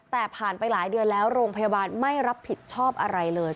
แต่ผ่านไปหลายเดือนแล้วโรงพยาบาลไม่รับผิดชอบอะไรเลย